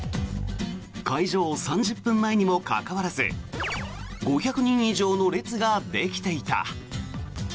開場３０分前にもかかわらず５００人以上の列ができていた。